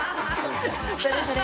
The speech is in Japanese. それそれ。